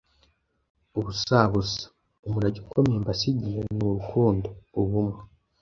ubusabusa. Umurage ukomeye mbasigiye ni urukundo, ubumwe,